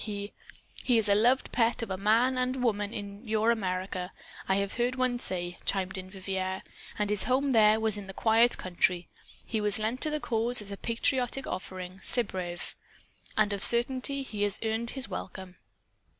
He " "He is a loved pet of a man and a woman in your America, I have heard one say," chimed in Vivier. "And his home, there, was in the quiet country. He was lent to the cause, as a patriotic offering, ce brave! And of a certainty, he has earned his welcome."